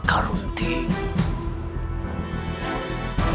kau yang berdiri